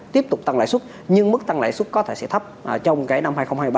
tiếp tục tăng lãi xuất nhưng mức tăng lãi xuất có thể sẽ thấp trong cái năm hai nghìn hai mươi ba